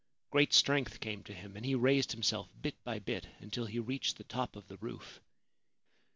Great strength came to him, and he raised himself bit by bit until he reached the top of the roof.